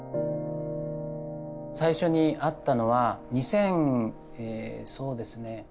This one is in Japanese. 最初に会ったのは２０００そうですね